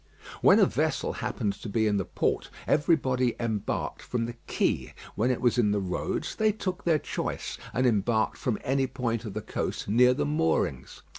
When a vessel happened to be in the port, everybody embarked from the quay. When it was in the roads they took their choice, and embarked from any point of the coast near the moorings.